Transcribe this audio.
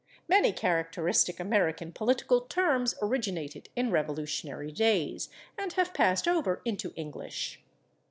Many characteristic American political terms originated in revolutionary days, and have passed over into English.